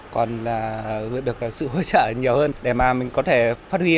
còn được sự hỗ trợ nhiều hơn để mà mình có thể phát huy